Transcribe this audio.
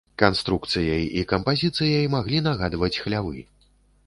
Канструкцыяй і кампазіцыяй маглі нагадваць хлявы.